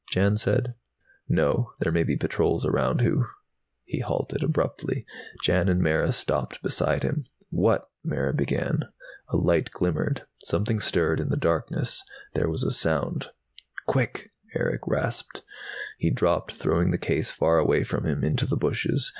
Jan said. "No. There may be patrols around who " He halted abruptly. Jan and Mara stopped beside him. "What " Mara began. A light glimmered. Something stirred in the darkness. There was a sound. "Quick!" Erick rasped. He dropped, throwing the case far away from him, into the bushes.